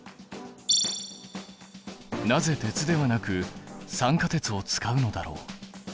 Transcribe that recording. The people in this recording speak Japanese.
なぜ鉄ではなく酸化鉄を使うのだろう？